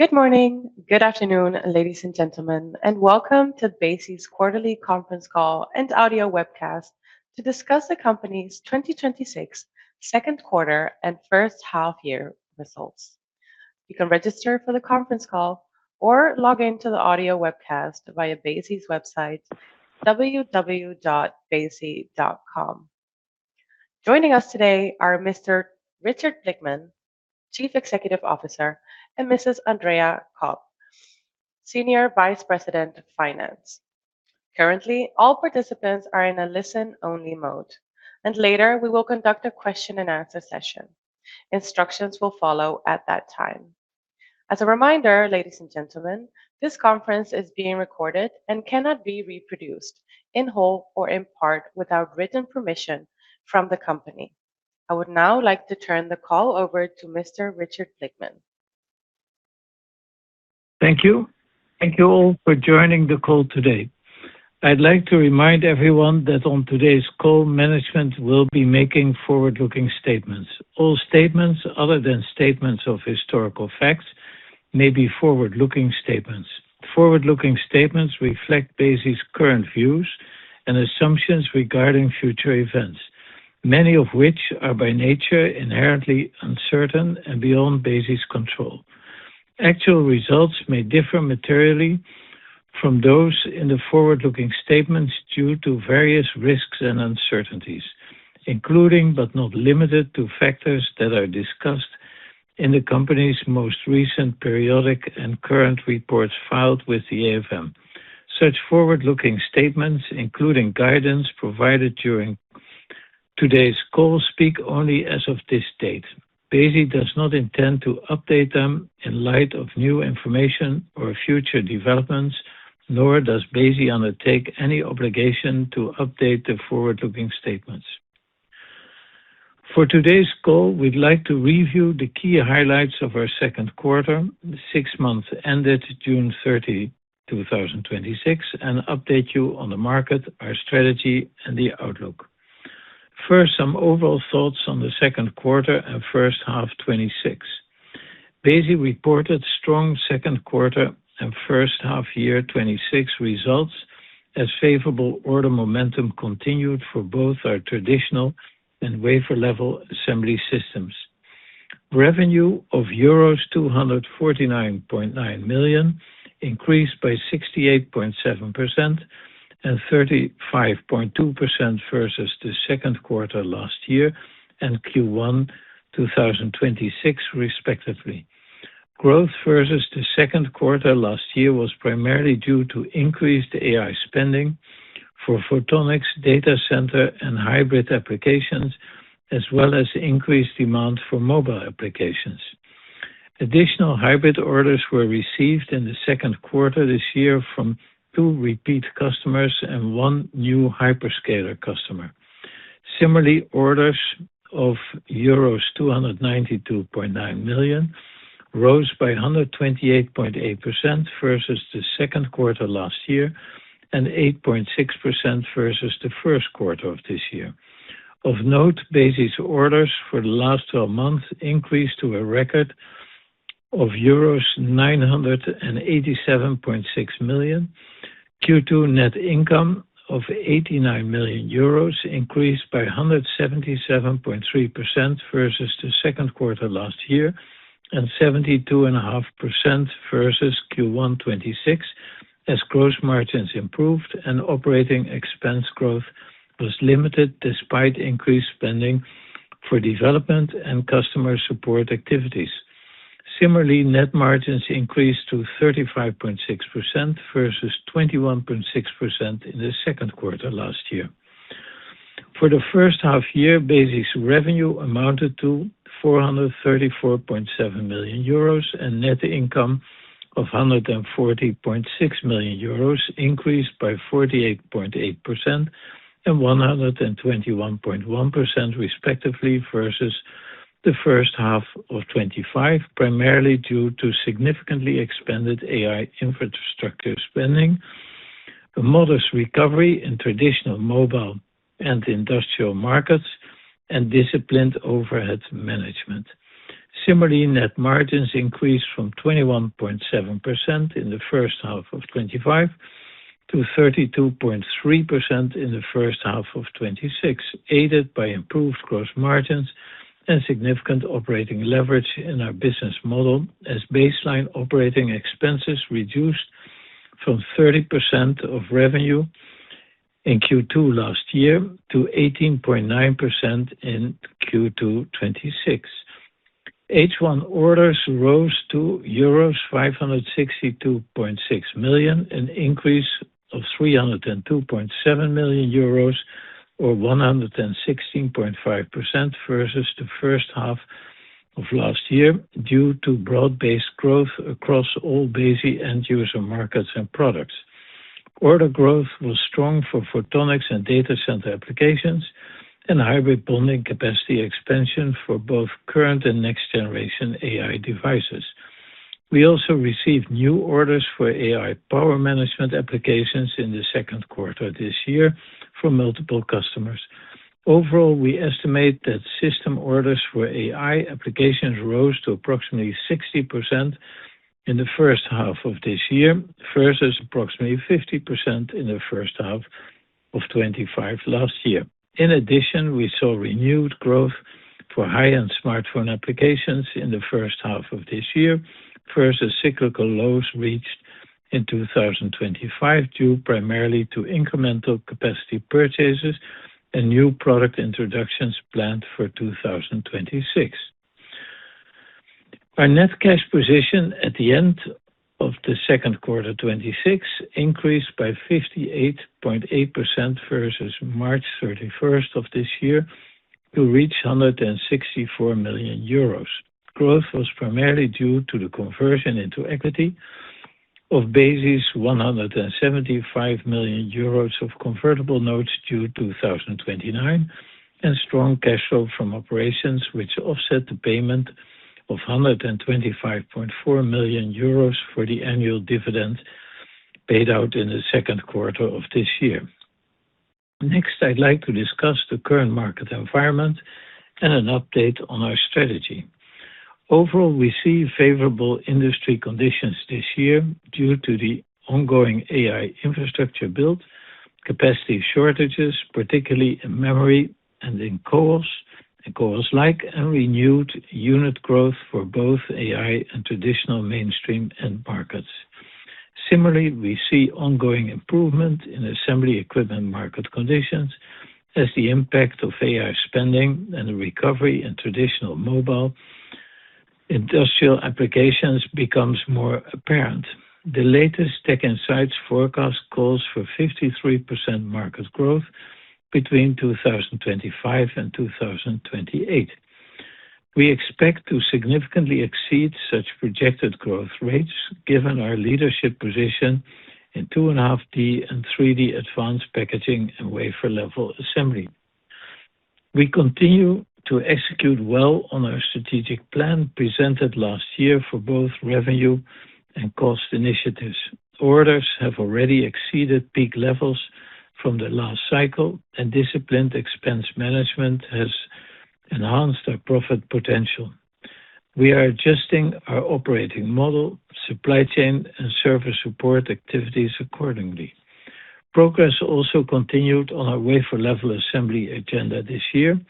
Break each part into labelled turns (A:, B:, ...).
A: Good morning, good afternoon, ladies and gentlemen, and welcome to Besi's quarterly conference call and audio webcast to discuss the company's 2026 second quarter and first half-year results. You can register for the conference call or log in to the audio webcast via besi.com. Joining us today are Mr. Richard Blickman, Chief Executive Officer, and Mrs. Andrea Kopp-Battaglia, Senior Vice President of Finance. Currently, all participants are in a listen-only mode, and later we will conduct a question and answer session. Instructions will follow at that time. As a reminder, ladies and gentlemen, this conference is being recorded and cannot be reproduced in whole or in part without written permission from the company. I would now like to turn the call over to Mr. Richard Blickman.
B: Thank you. Thank you all for joining the call today. I'd like to remind everyone that on today's call, management will be making forward-looking statements. All statements other than statements of historical facts may be forward-looking statements. Forward-looking statements reflect Besi's current views and assumptions regarding future events, many of which are by nature inherently uncertain and beyond Besi's control. Actual results may differ materially from those in the forward-looking statements due to various risks and uncertainties, including, but not limited to, factors that are discussed in the company's most recent periodic and current reports filed with the AFM. Such forward-looking statements, including guidance provided during today's call, speak only as of this date. Besi does not intend to update them in light of new information or future developments, nor does Besi undertake any obligation to update the forward-looking statements. For today's call, we'd like to review the key highlights of our second quarter, six months ended June 30, 2026, and update you on the market, our strategy, and the outlook. First, some overall thoughts on the second quarter and first half-year 2026. Besi reported strong second quarter and first half-year 2026 results as favorable order momentum continued for both our traditional and wafer-level assembly systems. Revenue of euros 249.9 million increased by 68.7% and 35.2% versus the second quarter last year and Q1 2026 respectively. Growth versus the second quarter last year was primarily due to increased AI spending for photonics, data center, and hybrid applications, as well as increased demand for mobile applications. Additional hybrid orders were received in the second quarter this year from two repeat customers and one new hyperscaler customer. Similarly, orders of euros 292.9 million rose by 128.8% versus the second quarter last year and 8.6% versus the first quarter of this year. Of note, Besi's orders for the last 12 months increased to a record of euros 987.6 million. Q2 net income of 89 million euros increased by 177.3% versus the second quarter last year and 72.5% versus Q1 2026 as gross margins improved and operating expense growth was limited despite increased spending for development and customer support activities. Similarly, net margins increased to 35.6% versus 21.6% in the second quarter last year. For the first half-year, Besi's revenue amounted to 434.7 million euros, and net income of 140.6 million euros increased by 48.8% and 121.1% respectively versus the first half of 2025, primarily due to significantly expanded AI infrastructure spending, a modest recovery in traditional mobile and industrial markets, and disciplined overhead management. Similarly, net margins increased from 21.7% in the first half of 2025 to 32.3% in the first half of 2026, aided by improved gross margins and significant operating leverage in our business model as baseline operating expenses reduced from 30% of revenue in Q2 last year to 18.9% in Q2 2026. H1 orders rose to euros 562.6 million, an increase of 302.7 million euros or 116.5% versus the first half of last year due to broad-based growth across all Besi end user markets and products. Order growth was strong for photonics and data center applications and hybrid bonding capacity expansion for both current and next generation AI devices. We also received new orders for AI power management applications in the second quarter this year from multiple customers. Overall, we estimate that system orders for AI applications rose to approximately 60% in the first half of this year, versus approximately 50% in the first half of 2025 last year. In addition, we saw renewed growth for high-end smartphone applications in the first half of this year, versus cyclical lows reached in 2025, due primarily to incremental capacity purchases and new product introductions planned for 2026. Our net cash position at the end of the second quarter 2026 increased by 58.8% versus March 31st of this year to reach 164 million euros. Growth was primarily due to the conversion into equity of Besi's 175 million euros of convertible notes due 2029 and strong cash flow from operations, which offset the payment of 125.4 million euros for the annual dividend paid out in the second quarter of this year. Next, I'd like to discuss the current market environment and an update on our strategy. Overall, we see favorable industry conditions this year due to the ongoing AI infrastructure build, capacity shortages, particularly in memory and in CoWoS and CoWoS-like, and renewed unit growth for both AI and traditional mainstream end markets. Similarly, we see ongoing improvement in assembly equipment market conditions as the impact of AI spending and the recovery in traditional mobile industrial applications becomes more apparent. The latest TechInsights forecast calls for 53% market growth between 2025 and 2028. We expect to significantly exceed such projected growth rates, given our leadership position in 2.5D and 3D advanced packaging and wafer-level assembly. We continue to execute well on our strategic plan presented last year for both revenue and cost initiatives. Orders have already exceeded peak levels from the last cycle, and disciplined expense management has enhanced our profit potential. We are adjusting our operating model, supply chain, and service support activities accordingly. Progress also continued on our wafer-level assembly agenda this year.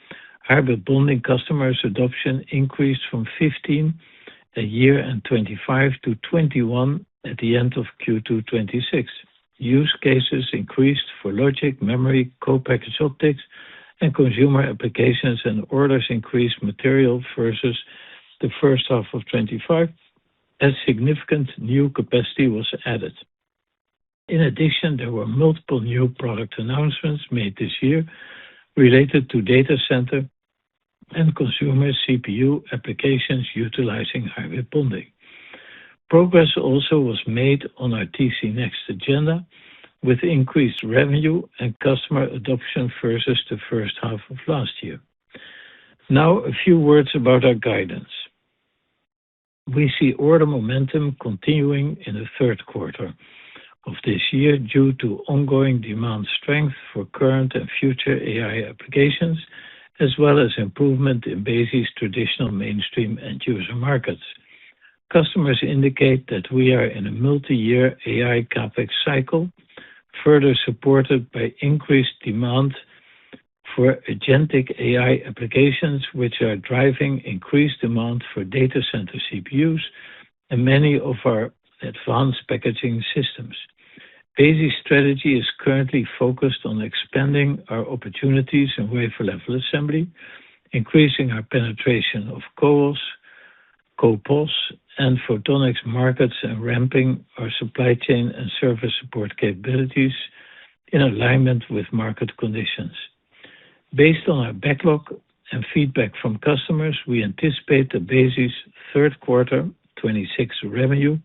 B: Hybrid bonding customers adoption increased from 15 at year-end 2025 to 21 at the end of Q2 2026. Use cases increased for logic, memory, co-packaged optics, and consumer applications, and orders increased material versus the first half of 2025 as significant new capacity was added. In addition, there were multiple new product announcements made this year related to data center and consumer CPU applications utilizing hybrid bonding. Progress also was made on our TC Next agenda with increased revenue and customer adoption versus the first half of last year. Now, a few words about our guidance. We see order momentum continuing in the third quarter of this year due to ongoing demand strength for current and future AI applications, as well as improvement in Besi's traditional mainstream end user markets. Customers indicate that we are in a multi-year AI CapEx cycle, further supported by increased demand for agentic AI applications, which are driving increased demand for data center CPUs and many of our advanced packaging systems. Besi's strategy is currently focused on expanding our opportunities in wafer-level assembly, increasing our penetration of CoWoS, and photonics markets, and ramping our supply chain and service support capabilities in alignment with market conditions. Based on our backlog and feedback from customers, we anticipate that Besi's third quarter 2026 revenue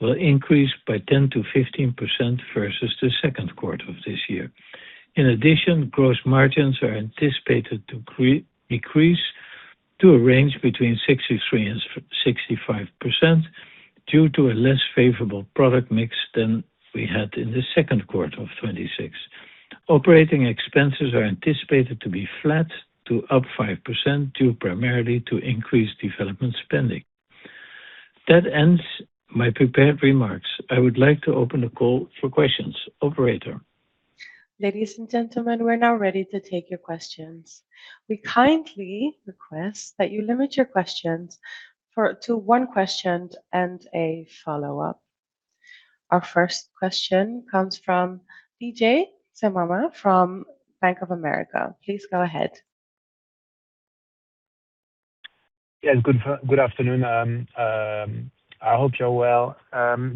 B: will increase by 10%-15% versus the second quarter of 2026. Gross margins are anticipated to decrease to a range between 63% and 65% due to a less favorable product mix than we had in the second quarter of 2026. Operating expenses are anticipated to be flat to up 5%, due primarily to increased development spending. That ends my prepared remarks. I would like to open the call for questions. Operator?
A: Ladies and gentlemen, we're now ready to take your questions. We kindly request that you limit your questions to one question and a follow-up. Our first question comes from Didier Scemama from Bank of America. Please go ahead.
C: Yes. Good afternoon. I hope you're well.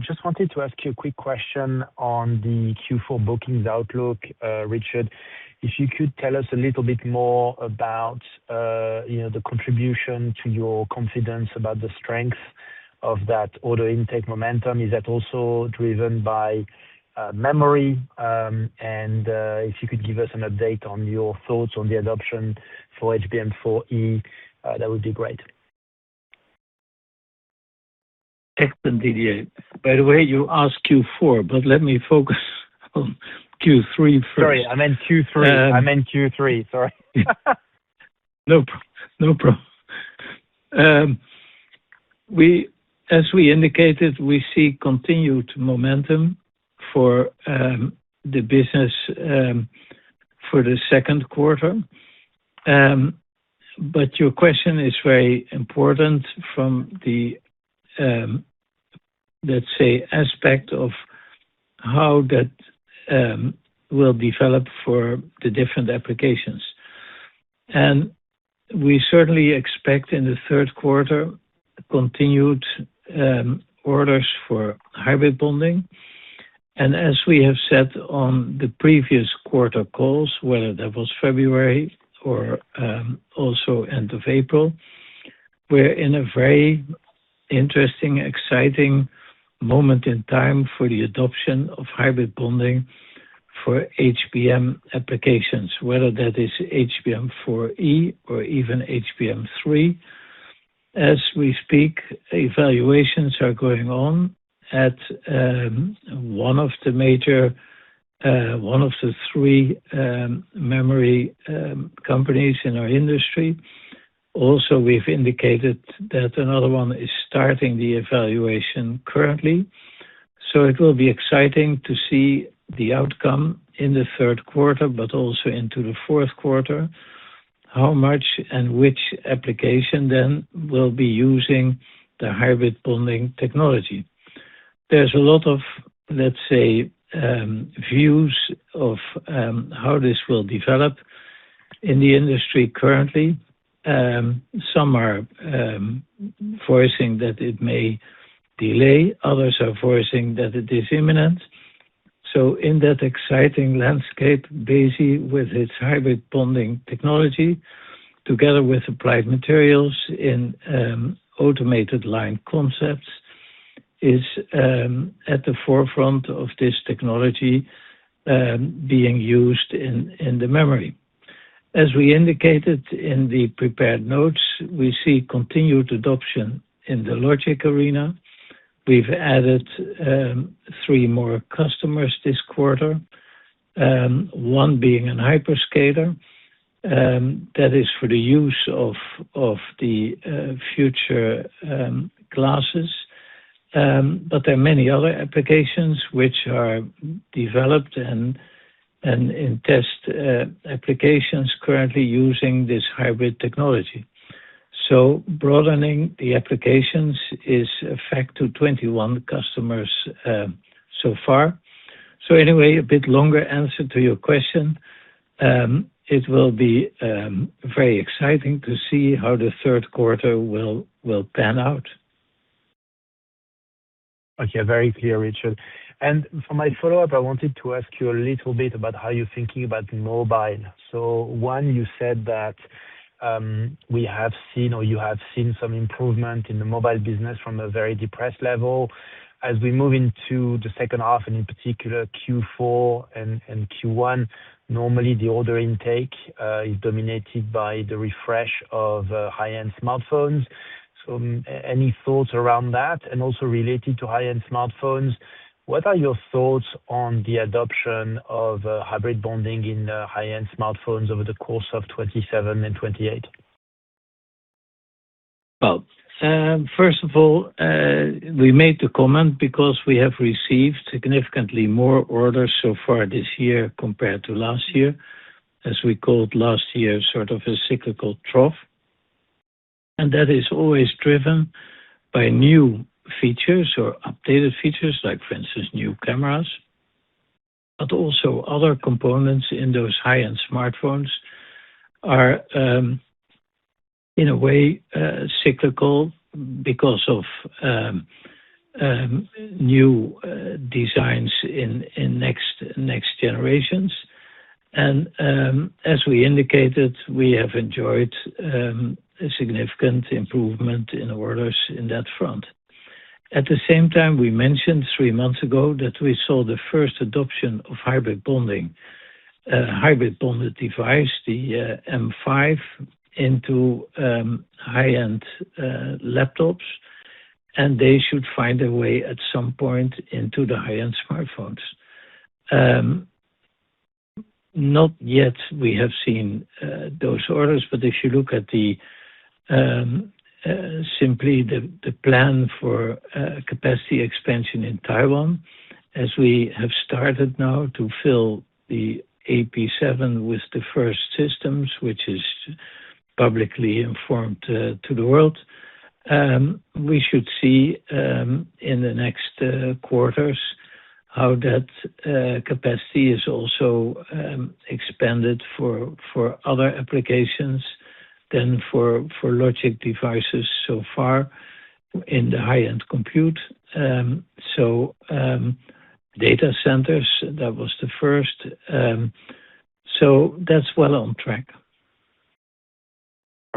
C: Just wanted to ask you a quick question on the Q4 bookings outlook, Richard. If you could tell us a little bit more about the contribution to your confidence about the strength of that order intake momentum. Is that also driven by memory? If you could give us an update on your thoughts on the adoption for HBM4E, that would be great.
B: Excellent, Didier. By the way, you asked Q4, but let me focus on Q3 first.
C: Sorry, I meant Q3. Sorry.
B: No problem. As we indicated, we see continued momentum for the business for the second quarter. Your question is very important from the, let's say, aspect of how that will develop for the different applications. We certainly expect in the third quarter, continued orders for hybrid bonding. As we have said on the previous quarter calls, whether that was February or also end of April, we're in a very interesting, exciting moment in time for the adoption of hybrid bonding for HBM applications, whether that is HBM4E or even HBM3. As we speak, evaluations are going on at one of the three memory companies in our industry. Also, we've indicated that another one is starting the evaluation currently. It will be exciting to see the outcome in the third quarter, but also into the fourth quarter, how much and which application then will be using the hybrid bonding technology. There's a lot of, let's say, views of how this will develop in the industry currently. Some are voicing that it may delay. Others are voicing that it is imminent. In that exciting landscape, Besi, with its hybrid bonding technology, together with Applied Materials in automated line concepts, is at the forefront of this technology being used in the memory. As we indicated in the prepared notes, we see continued adoption in the logic arena. We've added three more customers this quarter, one being an hyperscaler, that is for the use of the future classes. There are many other applications which are developed and in test applications currently using this hybrid technology. broadening the applications is a fact to 21 customers so far. Anyway, a bit longer answer to your question. It will be very exciting to see how the third quarter will pan out.
C: Okay. Very clear, Richard. For my follow-up, I wanted to ask you a little bit about how you're thinking about mobile. One, you said that we have seen, or you have seen some improvement in the mobile business from a very depressed level. As we move into the second half, in particular Q4 and Q1, normally the order intake is dominated by the refresh of high-end smartphones. Any thoughts around that? Also related to high-end smartphones, what are your thoughts on the adoption of hybrid bonding in high-end smartphones over the course of 2027 and 2028?
B: Well, first of all, we made the comment because we have received significantly more orders so far this year compared to last year, as we called last year sort of a cyclical trough. That is always driven by new features or updated features like for instance, new cameras, but also other components in those high-end smartphones are, in a way, cyclical because of new designs in next generations. As we indicated, we have enjoyed a significant improvement in orders in that front. At the same time, we mentioned three months ago that we saw the first adoption of hybrid bonding, a hybrid bonded device, the M5, into high-end laptops, and they should find a way at some point into the high-end smartphones. Not yet we have seen those orders, but if you look at simply the plan for capacity expansion in Taiwan, as we have started now to fill the AP7 with the first systems, which is publicly informed to the world, we should see in the next quarters how that capacity is also expanded for other applications than for logic devices so far in the high-end compute. Data centers, that was the first. That's well on track.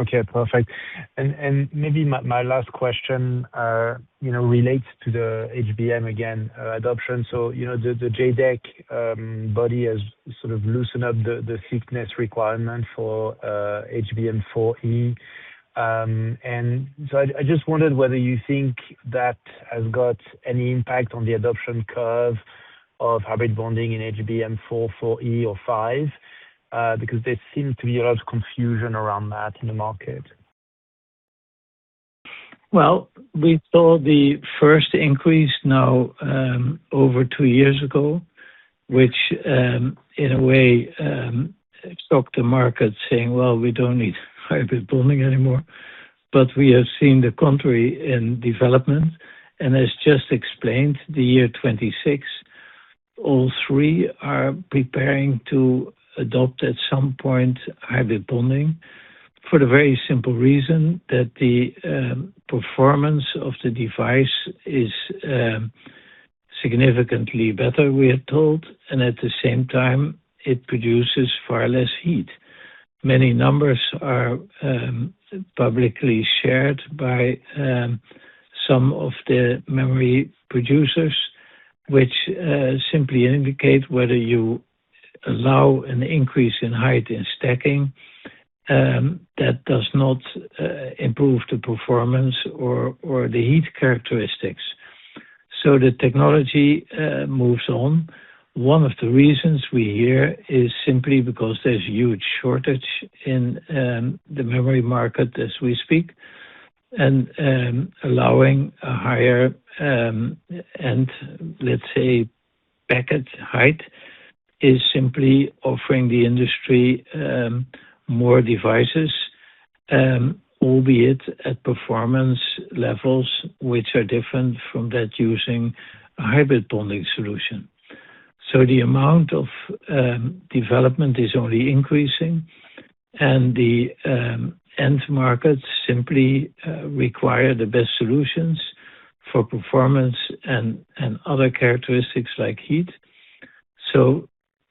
C: Okay, perfect. Maybe my last question relates to the HBM, again, adoption. The JEDEC body has sort of loosened up the thickness requirement for HBM4E. I just wondered whether you think that has got any impact on the adoption curve of hybrid bonding in HBM4, 4E, or 5, because there seems to be a lot of confusion around that in the market.
B: Well, we saw the first increase now over two years ago, which, in a way, stopped the market saying, "Well, we don't need hybrid bonding anymore." We have seen the contrary in development, and as just explained, the year 2026, all three are preparing to adopt, at some point, hybrid bonding for the very simple reason that the performance of the device is significantly better, we are told, and at the same time, it produces far less heat. Many numbers are publicly shared by some of the memory producers, which simply indicate whether you allow an increase in height in stacking that does not improve the performance or the heat characteristics. The technology moves on. One of the reasons we hear is simply because there's huge shortage in the memory market as we speak, allowing a higher, and let's say packet height, is simply offering the industry more devices, albeit at performance levels which are different from that using a hybrid bonding solution. The amount of development is only increasing, the end markets simply require the best solutions for performance and other characteristics like heat.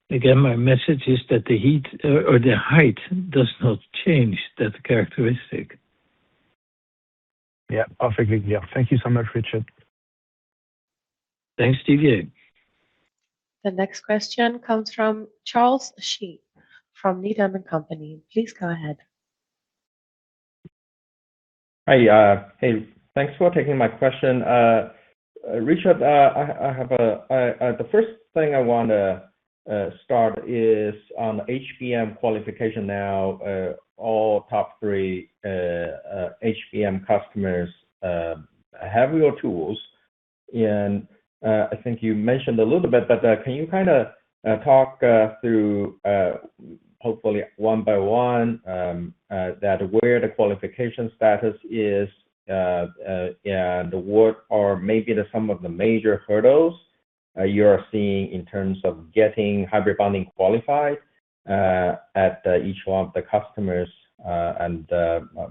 B: Again, my message is that the heat or the height does not change that characteristic.
C: Yeah, perfectly. Thank you so much, Richard.
B: Thanks, Didier.
A: The next question comes from Charles Shi from Needham & Company. Please go ahead.
D: Hi. Hey, thanks for taking my question. Richard, the first thing I want to start is on HBM qualification now. All top three HBM customers have your tools, and I think you mentioned a little bit, but can you talk through, hopefully one by one, where the qualification status is, and what are maybe some of the major hurdles you're seeing in terms of getting hybrid bonding qualified at each one of the customers?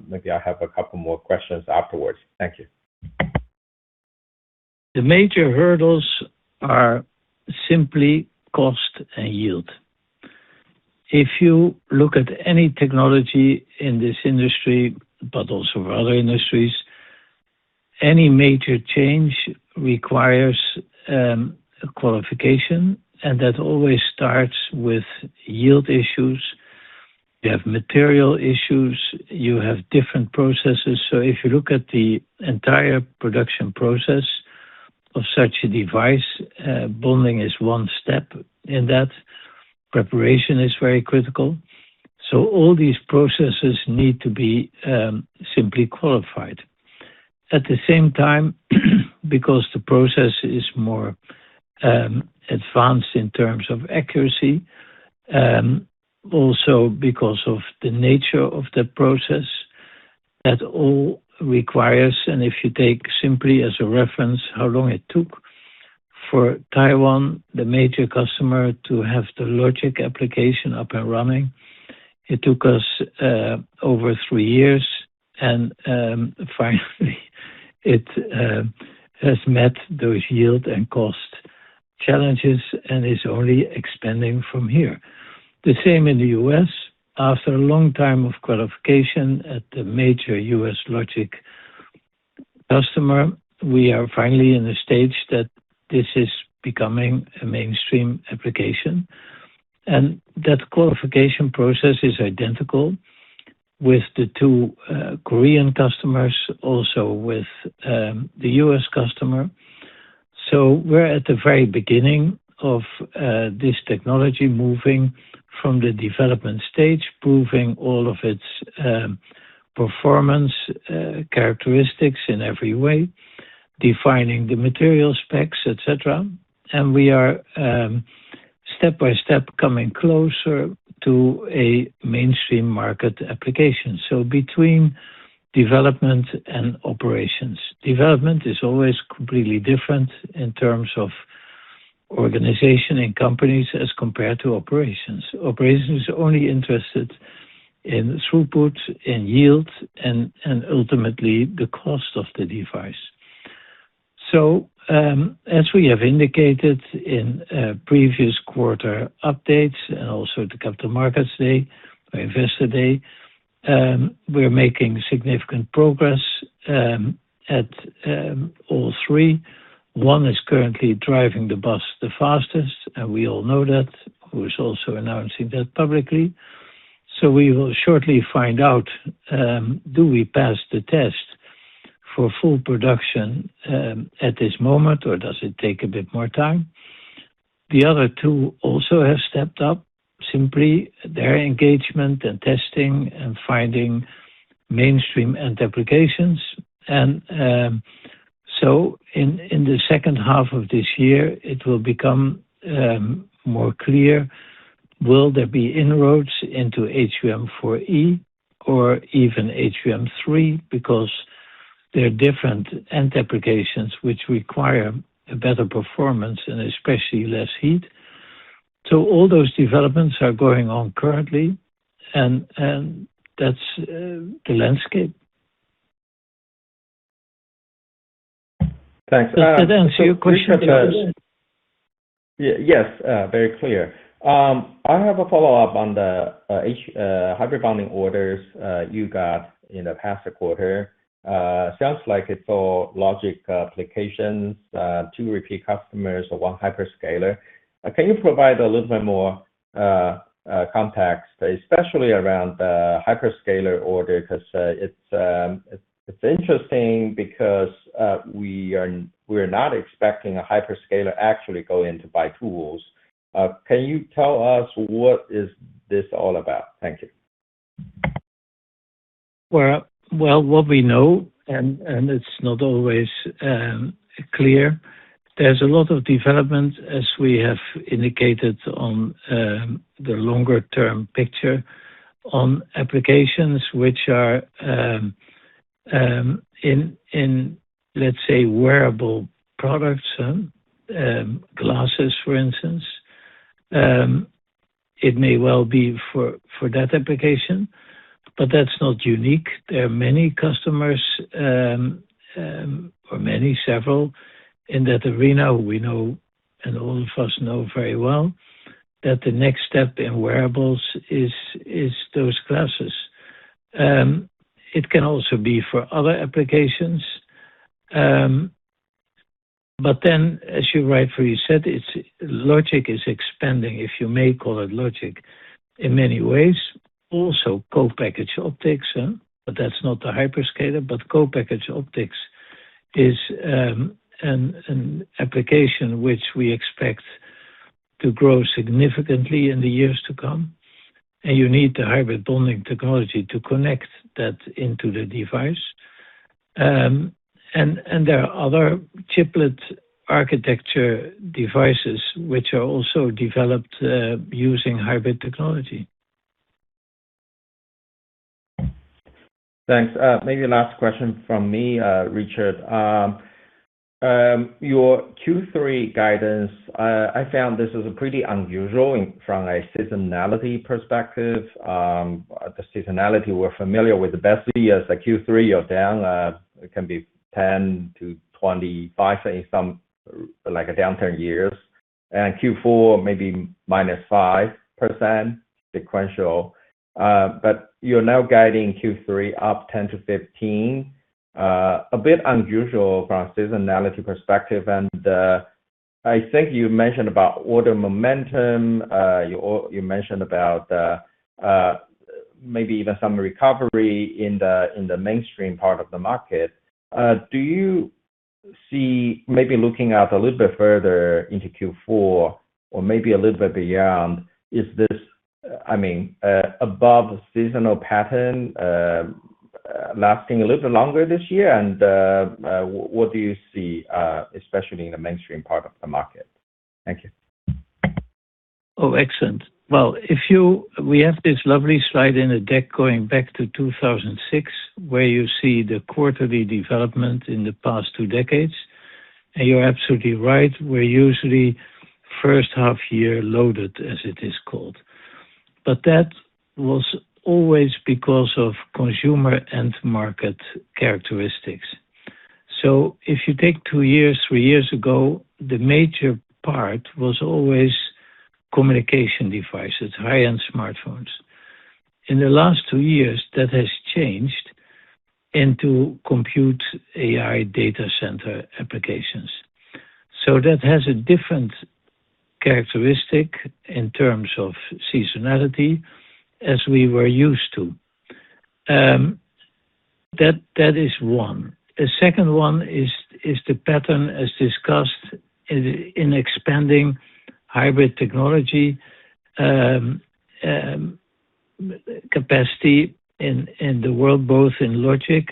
D: Maybe I have a couple more questions afterwards. Thank you.
B: The major hurdles are simply cost and yield. If you look at any technology in this industry, but also other industries, any major change requires a qualification, that always starts with yield issues. You have material issues, you have different processes. If you look at the entire production process of such a device, bonding is one step in that. Preparation is very critical. All these processes need to be simply qualified. At the same time, because the process is more advanced in terms of accuracy, also because of the nature of the process, that all requires, if you take simply as a reference how long it took for Taiwan, the major customer, to have the logic application up and running, it took us over three years. Finally it has met those yield and cost challenges and is only expanding from here. The same in the U.S. After a long time of qualification at the major U.S. logic customer, we are finally in a stage that this is becoming a mainstream application. That qualification process is identical with the two Korean customers, also with the U.S. customer. We're at the very beginning of this technology moving from the development stage, proving all of its performance characteristics in every way, defining the material specs, et cetera, and we are step by step coming closer to a mainstream market application. Between development and operations. Development is always completely different in terms of organization and companies as compared to operations. Operations are only interested in throughput, in yield, and ultimately the cost of the device. As we have indicated in previous quarter updates and also at the Capital Markets Day, our Investor Day, we're making significant progress at all three. One is currently driving the bus the fastest, and we all know that, who is also announcing that publicly. We will shortly find out, do we pass the test for full production at this moment, or does it take a bit more time? The other two also have stepped up simply their engagement and testing and finding mainstream end applications. In the second half of this year, it will become more clear, will there be inroads into HBM4E or even HBM3? Because there are different end applications which require a better performance and especially less heat. All those developments are going on currently, and that's the landscape.
D: Thanks.
B: Does that answer your question, Charles?
D: Yes. Very clear. I have a follow-up on the hybrid bonding orders you got in the past quarter. Sounds like it's all logic applications, two repeat customers and one hyperscaler. Can you provide a little bit more context, especially around the hyperscaler order? Because it's interesting because we're not expecting a hyperscaler actually go in to buy tools. Can you tell us what is this all about? Thank you.
B: What we know, it's not always clear, there's a lot of development as we have indicated on the longer-term picture on applications which are in, let's say, wearable products, glasses, for instance. It may well be for that application, but that's not unique. There are many customers, or many, several, in that arena we know and all of us know very well that the next step in wearables is those glasses. It can also be for other applications. As you rightfully said, logic is expanding, if you may call it logic, in many ways. Also co-packaged optics, that's not a hyperscaler. Co-packaged optics is an application which we expect to grow significantly in the years to come, and you need the hybrid bonding technology to connect that into the device. There are other chiplet architecture devices which are also developed using hybrid technology.
D: Thanks. Maybe last question from me, Richard. Your Q3 guidance, I found this as pretty unusual from a seasonality perspective. The seasonality we're familiar with best years are Q3 or down, it can be 10%-25% in some downturn years, and Q4 maybe -5% sequential. You're now guiding Q3 up 10%-15%. A bit unusual from a seasonality perspective, I think you mentioned about order momentum. You mentioned about maybe even some recovery in the mainstream part of the market. Do you see maybe looking out a little bit further into Q4 or maybe a little bit beyond, is this above seasonal pattern lasting a little bit longer this year? What do you see, especially in the mainstream part of the market? Thank you.
B: Excellent. We have this lovely slide in the deck going back to 2006, where you see the quarterly development in the past two decades. You're absolutely right, we're usually first half year loaded, as it is called. That was always because of consumer end market characteristics. If you take two years, three years ago, the major part was always communication devices, high-end smartphones. In the last two years, that has changed into compute AI data center applications. That has a different characteristic in terms of seasonality as we were used to. That is one. The second one is the pattern as discussed in expanding hybrid technology capacity in the world, both in logic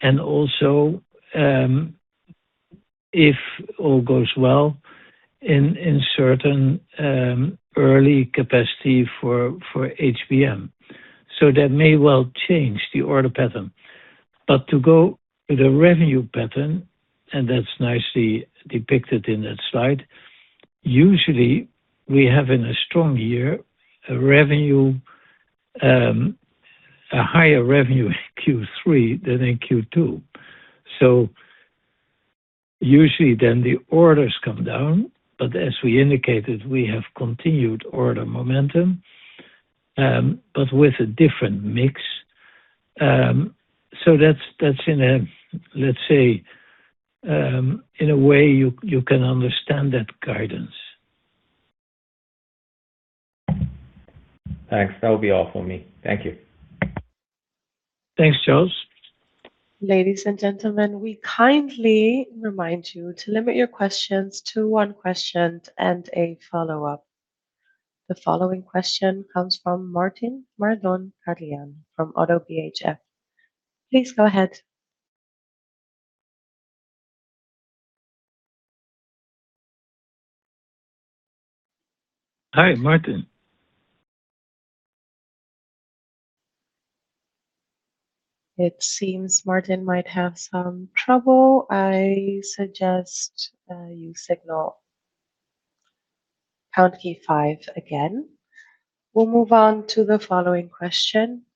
B: and also, if all goes well, in certain early capacity for HBM. That may well change the order pattern. To go with the revenue pattern, that's nicely depicted in that slide, usually we have in a strong year, a higher revenue in Q3 than in Q2. Usually then the orders come down, as we indicated, we have continued order momentum, but with a different mix. That's in a, let's say, in a way, you can understand that guidance.
D: Thanks. That'll be all for me. Thank you.
B: Thanks, Charles.
A: Ladies and gentlemen, we kindly remind you to limit your questions to one question and a follow-up. The following question comes from Martin Marandon-Carlhian from ODDO BHF. Please go ahead.
B: Hi, Martin.
A: It seems Martin might have some trouble. I suggest you signal pound key five again. We'll move on to the following question.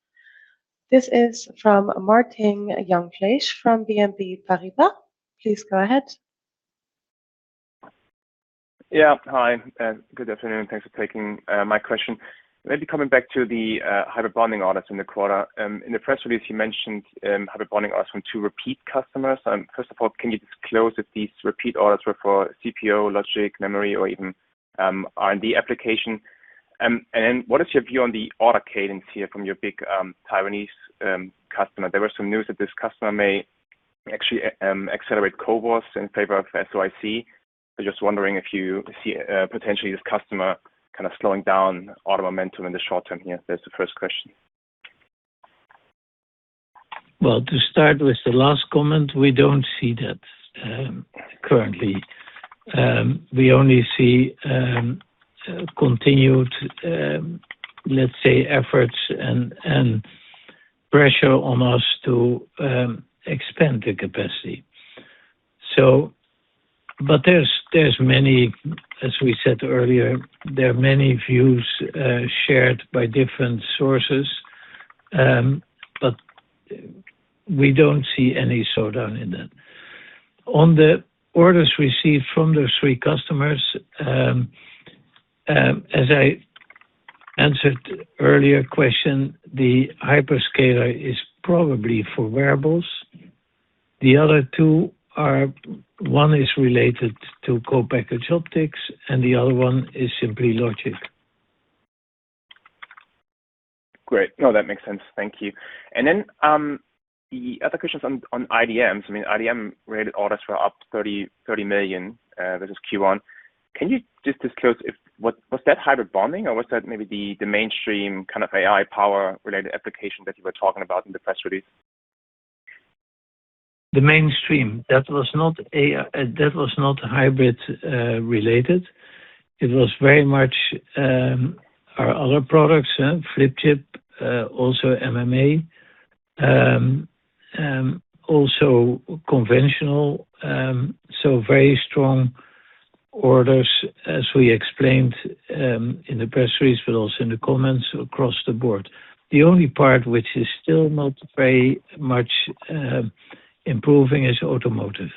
A: This is from Martin Jungfleisch from BNP Paribas. Please go ahead.
E: Yeah. Hi, good afternoon. Thanks for taking my question. Maybe coming back to the hybrid bonding orders in the quarter. In the press release, you mentioned hybrid bonding orders from two repeat customers. First of all, can you disclose if these repeat orders were for CPO, logic, memory, or even R&D application? What is your view on the order cadence here from your big Taiwanese customer? There was some news that this customer may actually accelerate CoWoS in favor of SOIC. I'm just wondering if you see potentially this customer kind of slowing down order momentum in the short term here. That's the first question.
B: Well, to start with the last comment, we don't see that currently. We only see continued, let's say, efforts and pressure on us to expand the capacity. There's many, as we said earlier, there are many views shared by different sources, but we don't see any slowdown in that. On the orders received from those three customers, as I answered earlier question, the hyperscaler is probably for wearables. The other two are, one is related to co-packaged optics, and the other one is simply logic.
E: Great. No, that makes sense. Thank you. The other question's on IDMs. I mean, IDM-related orders were up 30 million versus Q1. Can you just disclose if, was that hybrid bonding, or was that maybe the mainstream kind of AI power-related application that you were talking about in the press release?
B: The mainstream. That was not hybrid-related. It was very much our other products, flip-chip, also MMA, also conventional, so very strong orders as we explained in the press release, but also in the comments across the board. The only part which is still not very much improving is automotive.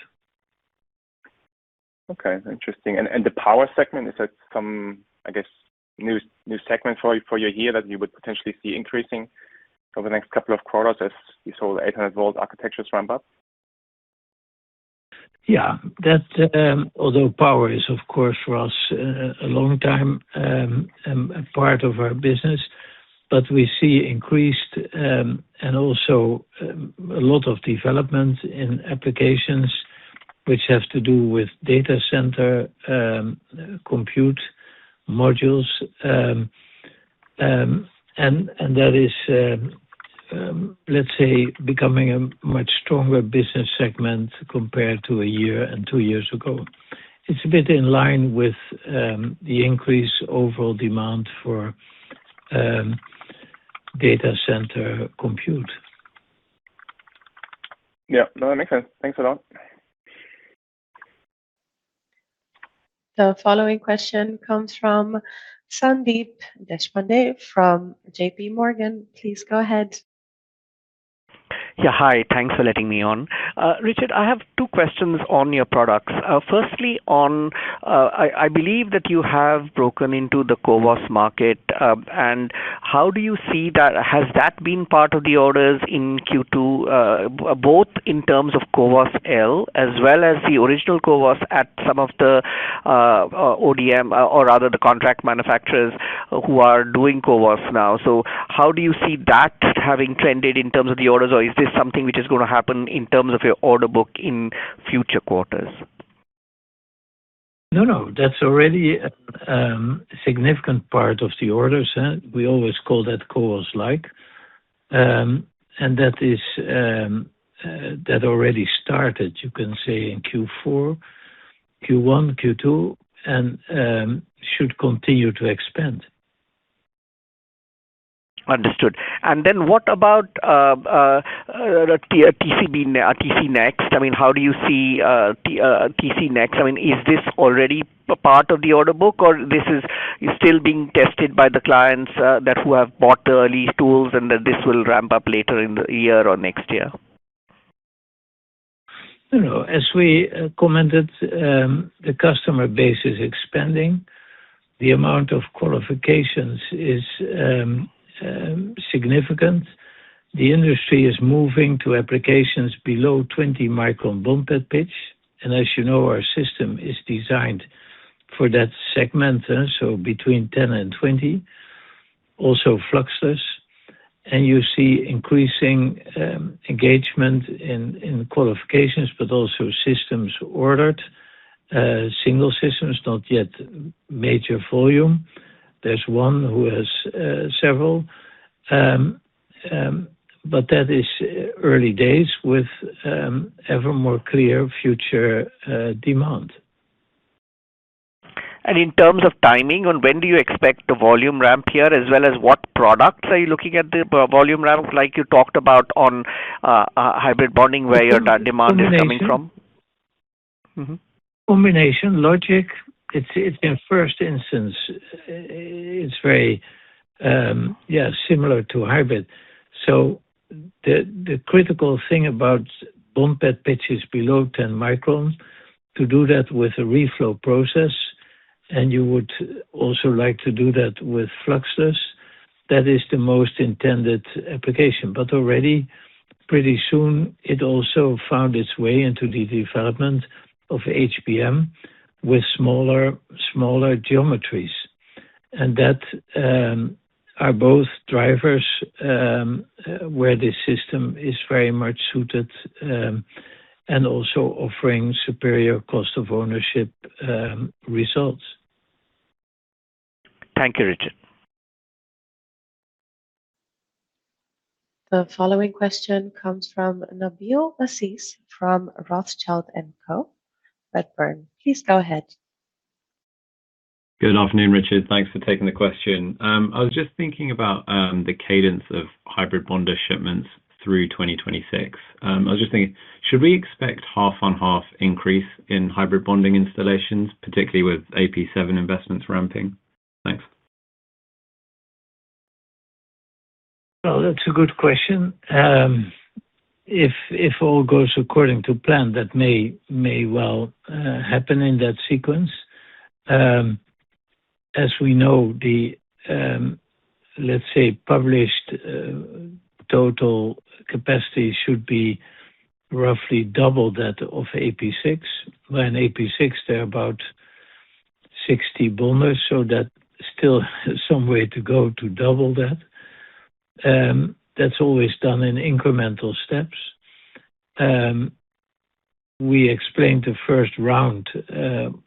E: Okay. Interesting. The power segment, is that some, I guess, new segment for you here that you would potentially see increasing over the next couple of quarters as you saw the 800 V architectures ramp up?
B: Yeah. Although power is, of course, for us, a long time part of our business, but we see increased and also a lot of development in applications which have to do with data center compute modules. That is, let's say, becoming a much stronger business segment compared to a year and two years ago. It's a bit in line with the increased overall demand for data center compute.
E: Yeah. No, that makes sense. Thanks a lot.
A: The following question comes from Sandeep Deshpande from JPMorgan. Please go ahead.
F: Hi. Thanks for letting me on. Richard, I have two questions on your products. Firstly on, I believe that you have broken into the CoWoS market, and how do you see that-- Has that been part of the orders in Q2, both in terms of CoWoS-L as well as the original CoWoS at some of the ODM or rather the contract manufacturers who are doing CoWoS now? So how do you see that having trended in terms of the orders, or is this something which is going to happen in terms of your order book in future quarters?
B: That's already a significant part of the orders. We always call that CoWoS-like. That already started, you can say, in Q4, Q1, Q2, and should continue to expand.
F: Understood. What about TC Next? I mean, how do you see TC Next? I mean, is this already part of the order book, or this is still being tested by the clients who have bought the early tools and that this will ramp up later in the year or next year?
B: No. As we commented, the customer base is expanding. The amount of qualifications is significant. The industry is moving to applications below 20-micron bump pad pitch, as you know, our system is designed for that segment. Between 10 and 20, also fluxless, you see increasing engagement in qualifications, but also systems ordered. Single systems, not yet major volume. There's one who has several, but that is early days with ever more clear future demand.
F: In terms of timing, on when do you expect the volume ramp here, as well as what products are you looking at the volume ramp, like you talked about on hybrid bonding, where that demand is coming from?
B: Combination logic. It's in first instance, it's very similar to hybrid. The critical thing about bump pad pitches below 10 micron, to do that with a reflow process, you would also like to do that with fluxless. That is the most intended application, but already pretty soon it also found its way into the development of HBM with smaller geometries. That are both drivers, where the system is very much suited, also offering superior cost of ownership results.
F: Thank you, Richard.
A: The following question comes from Nabeel Aziz from Rothschild & Co. Please go ahead.
G: Good afternoon, Richard. Thanks for taking the question. I was just thinking about the cadence of hybrid bonder shipments through 2026. I was just thinking, should we expect half on half increase in hybrid bonding installations, particularly with AP7 investments ramping? Thanks.
B: Well, that's a good question. If all goes according to plan, that may well happen in that sequence. As we know, the let's say published total capacity should be roughly double that of AP6. When AP6, there are about 60 bonders, so that still some way to go to double that. That's always done in incremental steps. We explained the first round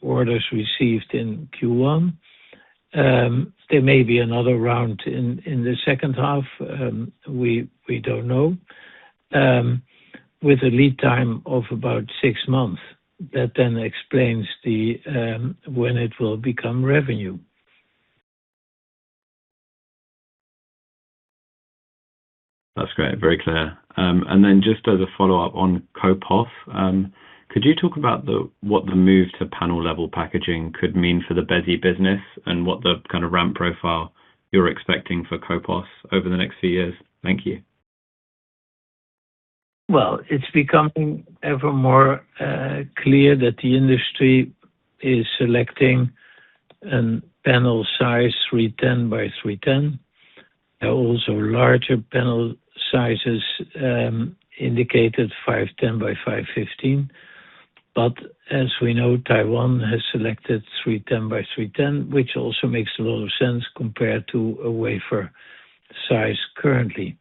B: orders received in Q1. There may be another round in the second half, we don't know, with a lead time of about six months. That explains when it will become revenue.
G: That's great. Very clear. Just as a follow-up on CoWoS. Could you talk about what the move to panel level packaging could mean for the Besi business, and what the kind of ramp profile you're expecting for CoWoS over the next few years? Thank you.
B: It's becoming ever more clear that the industry is selecting an panel size 310 by 310, larger panel sizes indicated 510 by 515. As we know, Taiwan has selected 310 by 310, which also makes a lot of sense compared to a wafer size currently.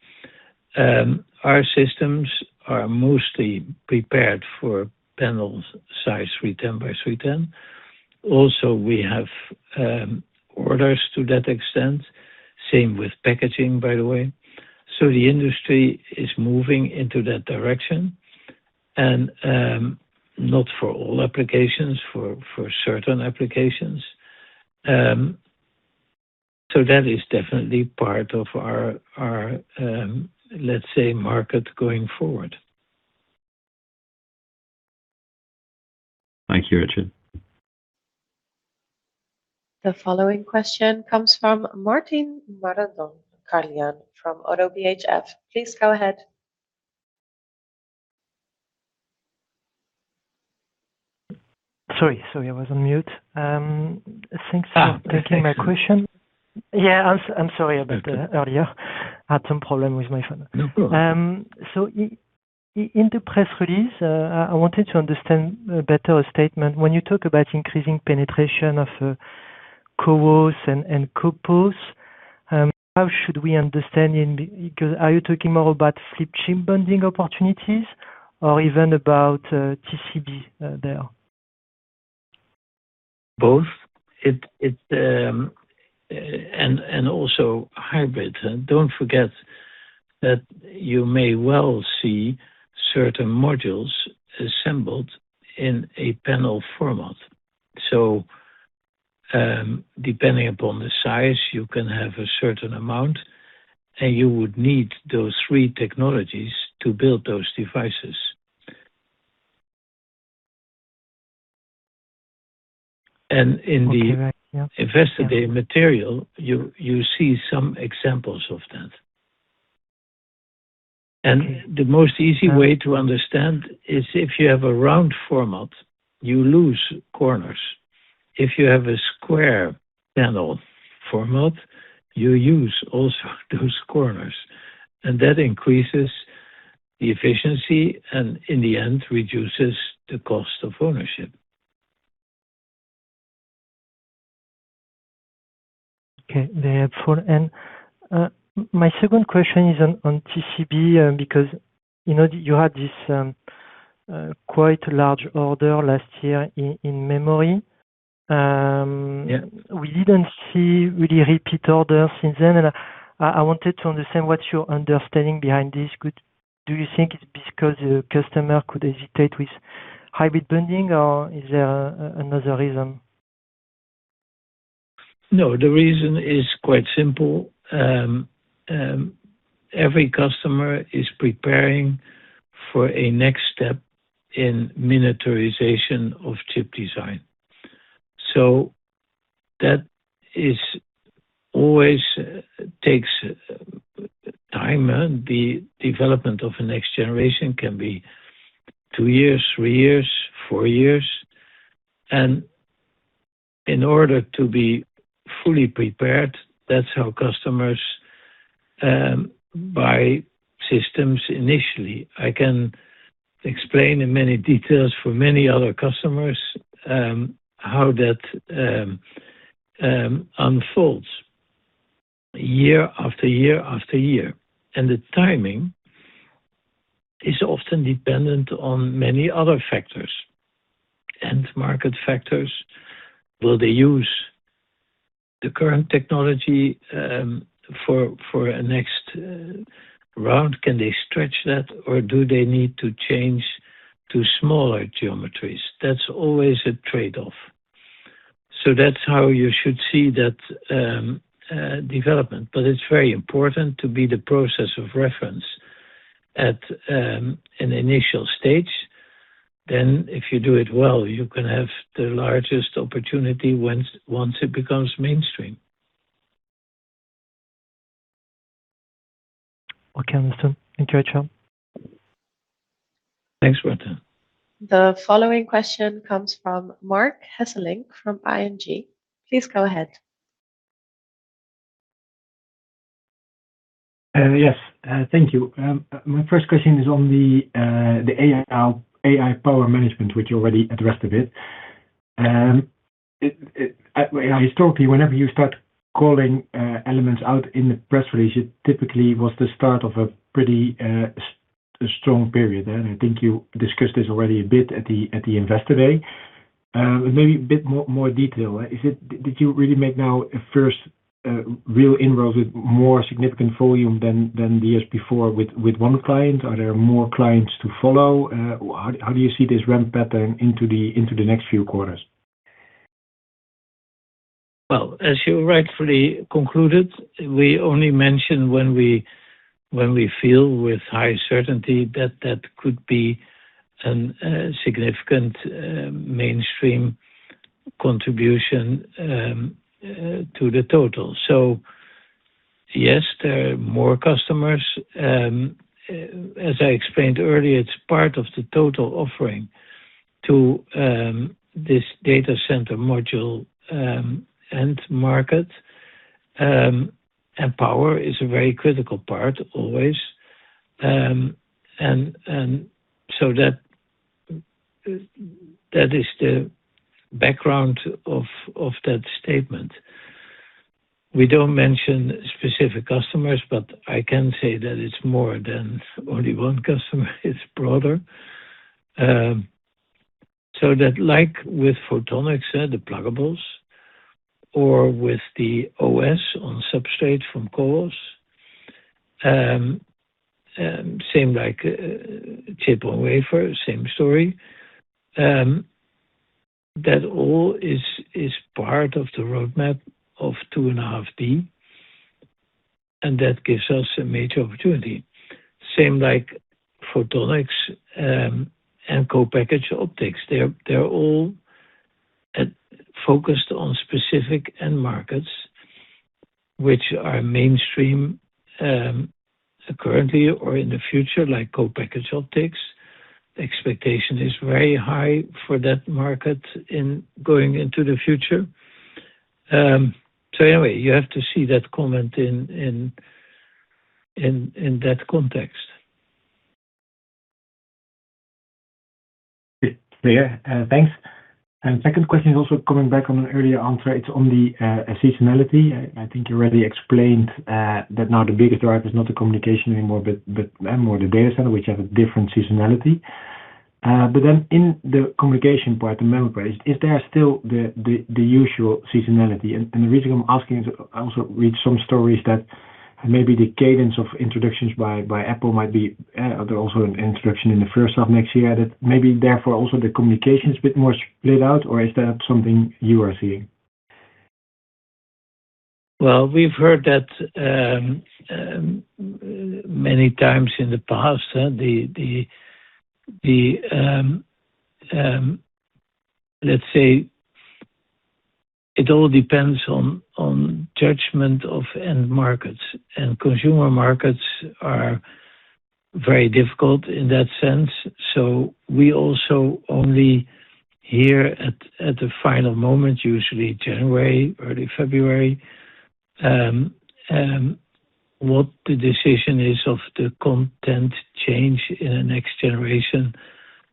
B: Our systems are mostly prepared for panels size 310 by 310. We have orders to that extent, same with packaging, by the way. The industry is moving into that direction, not for all applications, for certain applications. That is definitely part of our, let's say, market going forward.
G: Thank you, Richard.
A: The following question comes from Martin Marandon-Carlhian from ODDO BHF. Please go ahead.
H: Sorry, I was on mute.
B: Thank you.
H: Thanks for taking my question. I'm sorry about that earlier. Had some problem with my phone.
B: No problem.
H: In the press release, I wanted to understand better a statement. When you talk about increasing penetration of CoWoS and CoPoS, how should we understand in because are you talking more about flip-chip bonding opportunities or even about TCB there?
B: Also hybrid. Don't forget that you may well see certain modules assembled in a panel format. Depending upon the size, you can have a certain amount, and you would need those three technologies to build those devices. In the Investor Day material, you see some examples of that. The most easy way to understand is if you have a round format, you lose corners. If you have a square panel format, you use also those corners, and that increases the efficiency and in the end reduces the cost of ownership.
H: Okay, therefore, my second question is on TCB, because you had this quite large order last year in memory.
B: Yeah.
H: We didn't see really repeat orders since then, and I wanted to understand what's your understanding behind this. Do you think it's because your customer could hesitate with hybrid bonding, or is there another reason?
B: No, the reason is quite simple. Every customer is preparing for a next step in miniaturization of chip design. That always takes time. The development of a next generation can be two years, three years, four years, and in order to be fully prepared, that's how customers buy systems initially. I can explain in many details for many other customers, how that unfolds year, after year, after year, the timing is often dependent on many other factors and market factors. Will they use the current technology for a next round? Can they stretch that, or do they need to change to smaller geometries? That's always a trade-off. That's how you should see that development, but it's very important to be the process of reference at an initial stage. If you do it well, you can have the largest opportunity once it becomes mainstream.
H: Okay, understand. Thank you, Richard.
B: Thanks, Martin.
A: The following question comes from Marc Hesselink from ING. Please go ahead.
I: Yes, thank you. My first question is on the AI power management, which you already addressed a bit. Historically, whenever you start calling elements out in the press release, it typically was the start of a pretty strong period. I think you discussed this already a bit at the Investor Day. Maybe a bit more detail. Did you really make now a first real inroads with more significant volume than the years before with one client? Are there more clients to follow? How do you see this ramp pattern into the next few quarters?
B: Well, as you rightfully concluded, we only mention when we feel with high certainty that that could be a significant mainstream contribution to the total. Yes, there are more customers. As I explained earlier, it's part of the total offering to this data center module end market, and power is a very critical part always. That is the background of that statement. We don't mention specific customers, but I can say that it's more than only one customer, it's broader. That like with photonics, the pluggables, or with the chip on substrate from CoWoS, same like chip on wafer, same story. That all is part of the roadmap of 2.5D, and that gives us a major opportunity. Same like photonics, and co-packaged optics. They're all focused on specific end markets which are mainstream, currently or in the future, like co-packaged optics. The expectation is very high for that market going into the future. Anyway, you have to see that comment in that context.
I: Thanks. Second question is also coming back on an earlier answer. It's on the seasonality. I think you already explained that now the biggest drive is not the communication anymore, but more the data center, which have a different seasonality. In the communication part, the memory part, is there still the usual seasonality? The reason I'm asking is, I also read some stories that maybe the cadence of introductions by Apple might be also an introduction in the first half of next year, that maybe therefore also the communication's a bit more split out, or is that something you are seeing?
B: Well, we've heard that many times in the past. Let's say it all depends on judgment of end markets, and consumer markets are very difficult in that sense. We also only hear at the final moment, usually January, early February, what the decision is of the content change in the next generation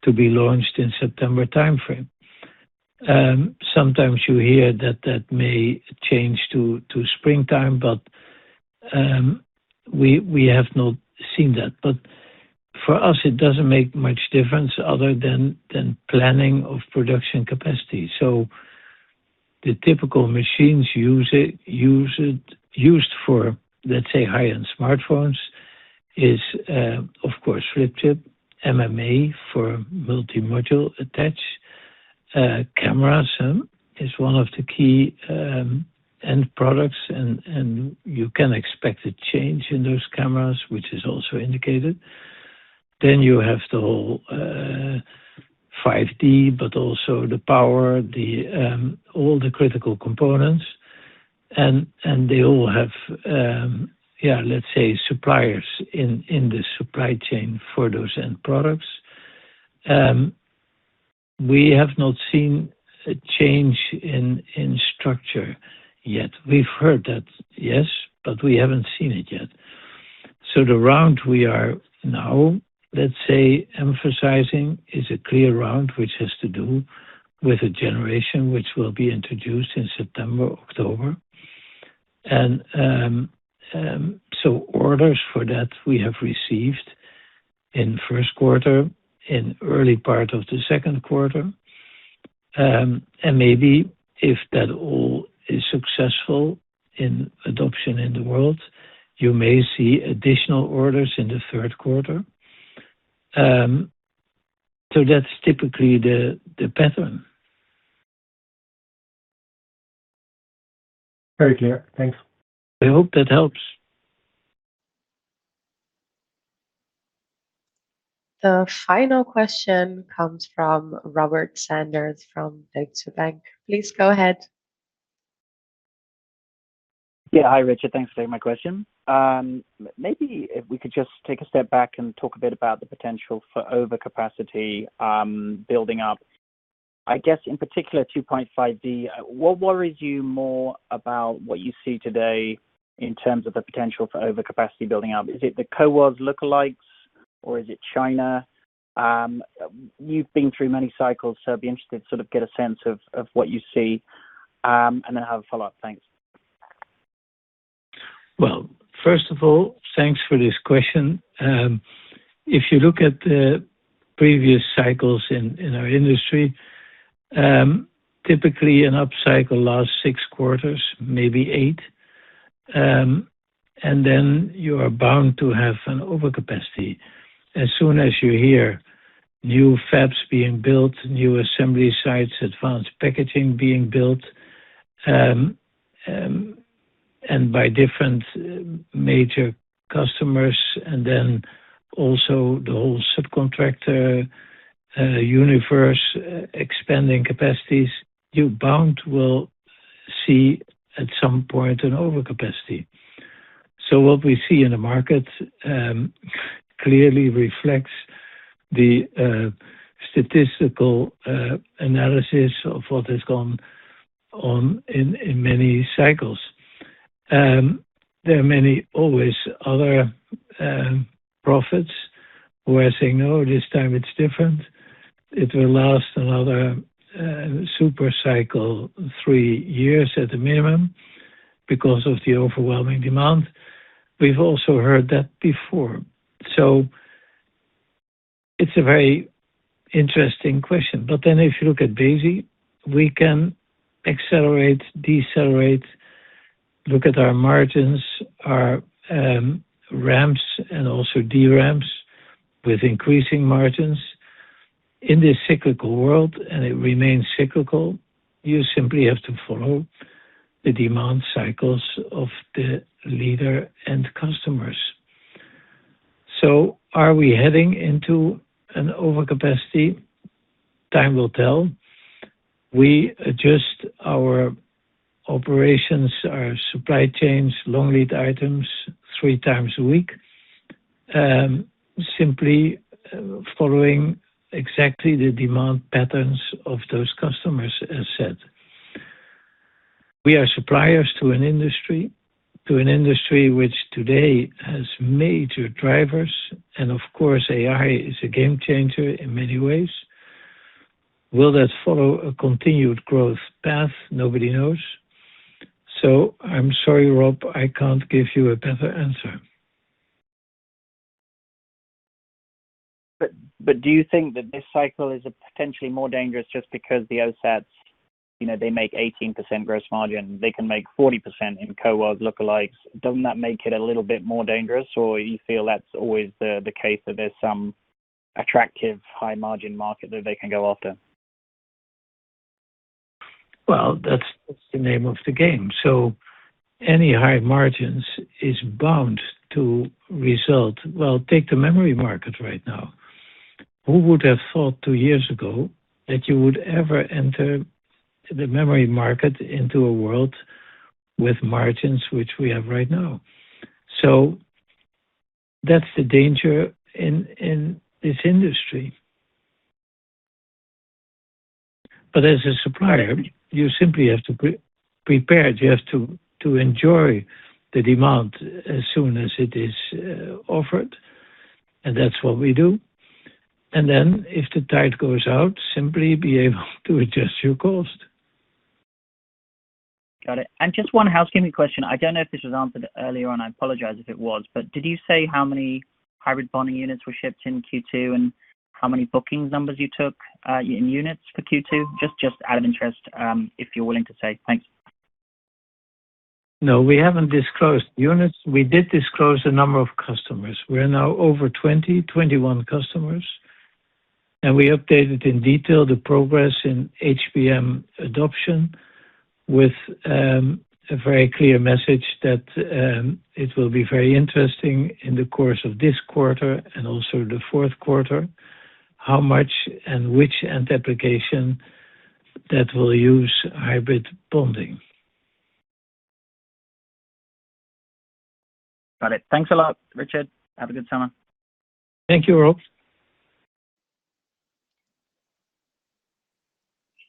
B: to be launched in September timeframe. Sometimes you hear that may change to springtime, but we have not seen that. For us, it doesn't make much difference other than planning of production capacity. The typical machines used for, let's say, high-end smartphones is, of course, flip-chip, MMA for multi-module attach, cameras is one of the key end products, and you can expect a change in those cameras, which is also indicated. You have the whole 5G, also the power, all the critical components, and they all have, let's say, suppliers in the supply chain for those end products. We have not seen a change in structure yet. We've heard that, yes, but we haven't seen it yet. The round we are now, let's say, emphasizing is a clear round, which has to do with a generation which will be introduced in September, October. Orders for that we have received in first quarter, in early part of the second quarter. Maybe if that all is successful in adoption in the world, you may see additional orders in the third quarter. That's typically the pattern.
I: Very clear. Thanks.
B: I hope that helps.
A: The final question comes from Robert Sanders from Deutsche Bank. Please go ahead.
J: Hi, Richard. Thanks for taking my question. If we could just take a step back and talk a bit about the potential for overcapacity building up, I guess in particular, 2.5D. What worries you more about what you see today in terms of the potential for overcapacity building up? Is it the CoWoS-like, or is it China? You've been through many cycles, I'd be interested to sort of get a sense of what you see, and then I have a follow-up. Thanks.
B: First of all, thanks for this question. If you look at the previous cycles in our industry, typically an up cycle lasts six quarters, maybe eight, then you are bound to have an overcapacity. As soon as you hear new fabs being built, new assembly sites, advanced packaging being built, by different major customers, also the whole subcontractor universe expanding capacities, you're bound will see at some point an overcapacity. What we see in the market clearly reflects the statistical analysis of what has gone on in many cycles. There are many, always, other prophets who are saying, "No, this time it's different. It will last another super cycle, three years at the minimum, because of the overwhelming demand." We've also heard that before. It's a very interesting question. If you look at Besi, we can accelerate, decelerate, look at our margins, our ramps, also deramps with increasing margins. In this cyclical world, it remains cyclical, you simply have to follow the demand cycles of the leader and customers. Are we heading into an overcapacity? Time will tell. We adjust our operations, our supply chains, long lead items three times a week, simply following exactly the demand patterns of those customers, as said. We are suppliers to an industry which today has major drivers, of course, AI is a game changer in many ways. Will that follow a continued growth path? Nobody knows. I'm sorry, Rob, I can't give you a better answer.
J: Do you think that this cycle is potentially more dangerous just because the OSATs, they make 18% gross margin, they can make 40% in CoWoS-like. Doesn't that make it a little bit more dangerous, or you feel that's always the case that there's some attractive high-margin market that they can go after?
B: Well, that's the name of the game. Any high margins is bound to result Well, take the memory market right now. Who would have thought two years ago that you would ever enter the memory market into a world with margins which we have right now? That's the danger in this industry. As a supplier, you simply have to be prepared. You have to enjoy the demand as soon as it is offered, and that's what we do. If the tide goes out, simply be able to adjust your cost.
J: Got it. Just one housekeeping question. I don't know if this was answered earlier on, I apologize if it was, but did you say how many hybrid bonding units were shipped in Q2 and how many booking numbers you took in units for Q2? Just out of interest, if you're willing to say. Thanks.
B: No, we haven't disclosed units. We did disclose the number of customers. We're now over 20, 21 customers, and we updated in detail the progress in HBM adoption with a very clear message that it will be very interesting in the course of this quarter and also the fourth quarter, how much and which end application that will use hybrid bonding.
J: Got it. Thanks a lot, Richard. Have a good summer.
B: Thank you, Rob.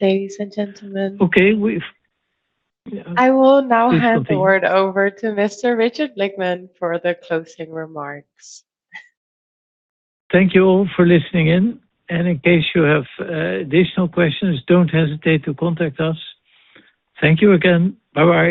A: Ladies and gentlemen.
B: Okay. We've... Yeah.
A: I will now hand the word over to Mr. Richard Blickman for the closing remarks.
B: Thank you all for listening in, and in case you have additional questions, don't hesitate to contact us. Thank you again. Bye-bye.